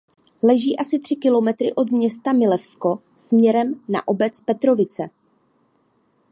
Leží asi tři kilometry od města Milevsko směrem na obec Petrovice.